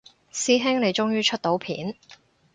師兄你終於出到片